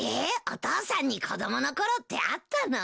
お父さんに子どもの頃ってあったの？